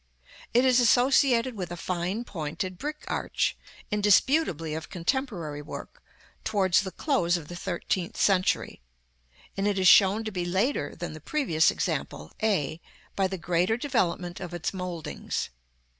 It is associated with a fine pointed brick arch, indisputably of contemporary work, towards the close of the thirteenth century, and it is shown to be later than the previous example, a, by the greater developement of its mouldings.